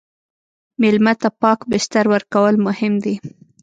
مېلمه ته پاک بستر ورکول مهم دي.